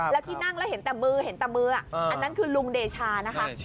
แล้วที่นั่งแล้วเห็นแต่มืออันนั้นคือลุงเดชานะคะ